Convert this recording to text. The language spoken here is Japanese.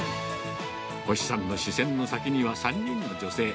星さんの視線の先には３人の女性。